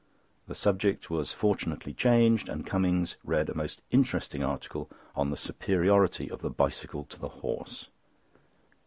The subject was fortunately changed, and Cummings read a most interesting article on the superiority of the bicycle to the horse.